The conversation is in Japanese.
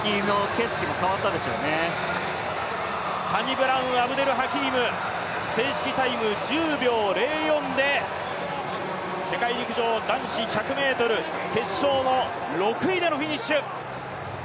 サニブラウン・アブデル・ハキーム、正式タイム、１０秒０４で世界陸上男子１００ｍ決勝の６位でのフィニッシュ。